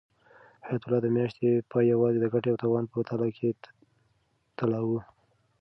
حیات الله د میاشتې پای یوازې د ګټې او تاوان په تله کې تلاوه.